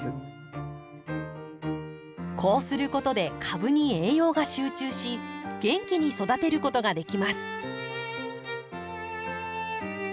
こうすることで株に栄養が集中し元気に育てることができます。